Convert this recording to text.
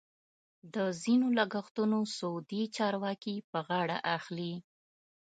د ځینو لګښتونه سعودي چارواکي په غاړه اخلي.